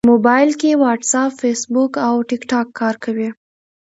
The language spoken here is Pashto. موبایل کې واټساپ، فېسبوک او ټېکټاک کار کوي.